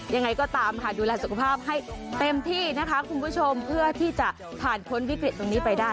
ยังไงก็ตามค่ะดูแลสุขภาพให้เต็มที่นะคะคุณผู้ชมเพื่อที่จะผ่านพ้นวิกฤตตรงนี้ไปได้